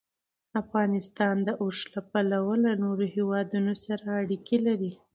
افغانستان د اوښ له پلوه له نورو هېوادونو سره اړیکې لري.